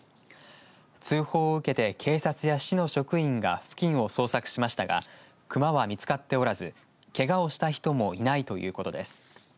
通報を受けて警察や市の職員が付近を捜索しましたが熊は見つかっておらずけがをした人もいないということです。